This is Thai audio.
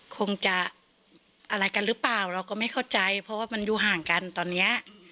คงจะอะไรกันหรือเปล่าเราก็ไม่เข้าใจเพราะว่ามันอยู่ห่างกันตอนเนี้ย